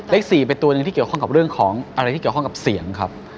เลข๔เป็นตัวหนึ่งที่เกี่ยวข้องกับเรื่องของอะไรที่เกี่ยวข้องกับเสียงครับ